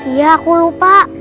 iya aku lupa